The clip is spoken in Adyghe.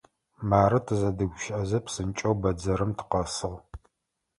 Мары, тызэдэгущыӏэзэ, псынкӏэу бэдзэрым тыкъэсыгъ.